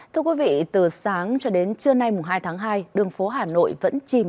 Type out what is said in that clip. thưa quý vị từ sáng cho đến trưa nay hai tháng hai đường phố hà nội vẫn chìm